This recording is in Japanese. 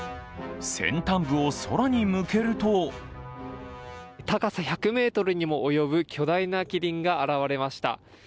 先端部を空に向けると高さ１００ｍにも及ぶ巨大なキリンが現れました。